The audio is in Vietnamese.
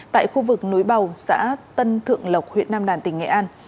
tại khu vực núi bầu xã tân thượng lộc huyện nam đàn tỉnh nghệ an